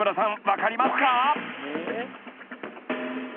分かりますか？］